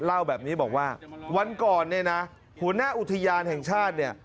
เล่าแบบนี้บอกว่าวันก่อนเนี่ยนะหัวหน้าอุทยานแห่งชาติเนี่ย